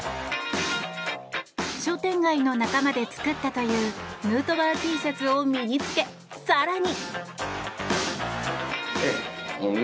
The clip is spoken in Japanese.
商店街の仲間で作ったというヌートバーＴシャツを身に着け更に。